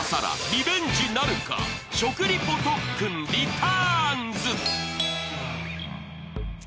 リベンジなるか食リポ特訓・リターンズ！